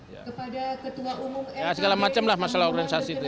ya segala macam lah masalah organisasi itu